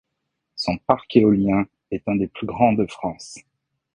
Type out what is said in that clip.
Son parc éolien est un des plus grands de France.